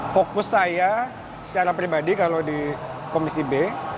fokus saya secara pribadi kalau di komisi b